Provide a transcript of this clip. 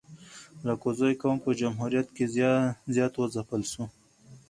الکوزي قوم په جمهوریت کی زیات و ځپل سو